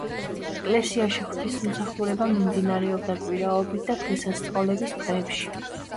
ეკლესიაში ღვთისმსახურება მიმდინარეობდა კვირაობით და დღესასწაულის დღეებში.